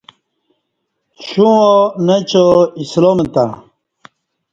شوں وا نچا اسلام تہ